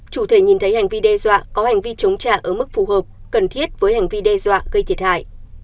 chủ thể nhìn thấy hành vi đe dọa có hành vi chống trả ở mức phù hợp cần thiết với hành vi đe dọa gây thiệt hại